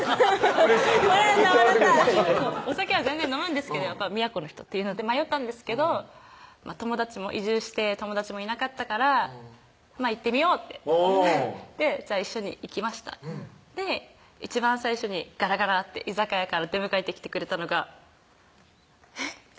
うれしいめっちゃ笑ってくれたお酒は全然飲むんですけど宮古の人っていうので迷ったんですけど移住して友達もいなかったからまぁ行ってみようってうん一緒に行きましたで一番最初にがらがらって居酒屋から出迎えてきてくれたのがえっ？